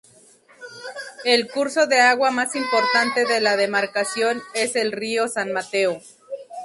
El curso de agua más importante de la demarcación es el río San Mateo.